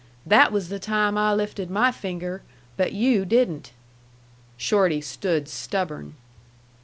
That was the time I lifted my finger; but yu' didn't." Shorty stood stubborn.